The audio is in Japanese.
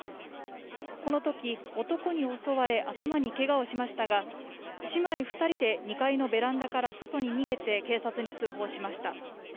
このとき男に襲われ、頭にけがをしましたが姉妹２人で２階のベランダから外に逃げて警察に通報しました。